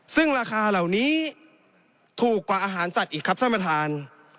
ซึ่งราคาเหล่านี้ถูกกว่าอาหารสัตว์อีกครับท่านประธาน